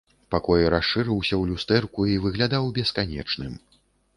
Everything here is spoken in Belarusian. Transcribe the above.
Пакой расшырыўся ў люстэрку і выглядаў бесканечным.